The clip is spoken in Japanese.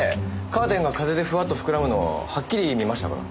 カーテンが風でふわっと膨らむのをはっきり見ましたから。